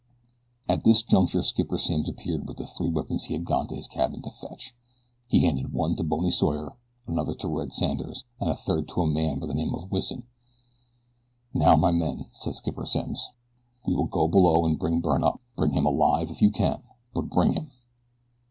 At this juncture Skipper Simms appeared with the three weapons he had gone to his cabin to fetch. He handed one to Bony Sawyer, another to Red Sanders and a third to a man by the name of Wison. "Now, my men," said Skipper Simms, "we will go below and bring Byrne up. Bring him alive if you can but bring him."